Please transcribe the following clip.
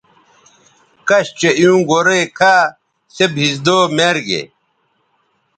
کش چہء ایوں گورئ کھا سے بھیزدو میر گے